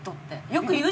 よく言う。